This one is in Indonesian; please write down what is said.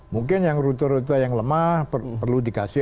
mungkin yang rute rute yang lemah perlu dikasih